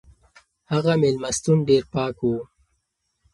هغه مېلمستون ډېر پاک و.